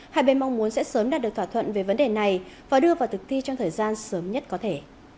hai bên mong muốn sẽ sớm đạt được thỏa thuận về vấn đề này và đưa vào thực thi trong thời gian sớm nhất có thể